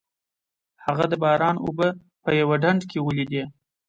هغه د باران اوبه په یوه ډنډ کې ولیدې.